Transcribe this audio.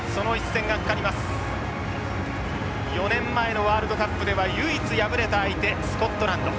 ４年前のワールドカップでは唯一敗れた相手スコットランド。